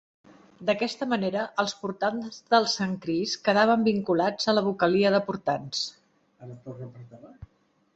D'aquesta manera els portants del Sant Crist quedaven vinculats a la vocalia de portants.